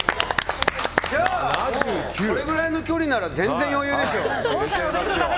これぐらいの距離なら全然余裕でしょ。